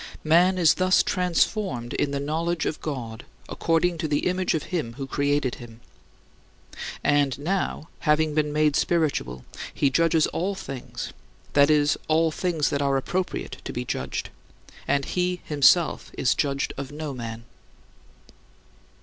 Man is thus transformed in the knowledge of God, according to the image of Him who created him. And now, having been made spiritual, he judges all things that is, all things that are appropriate to be judged and he himself is judged of no man.